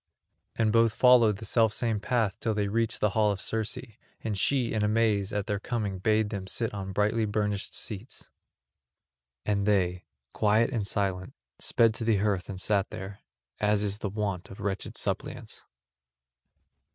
And both followed the selfsame path till they reached the hall of Circe, and she in amaze at their coming bade them sit on brightly burnished seats. And they, quiet and silent, sped to the hearth and sat there, as is the wont of wretched suppliants.